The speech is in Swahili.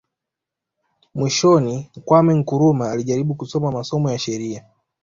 Mwishoni Kwame Nkrumah alijaribu kusoma masomo ya sheria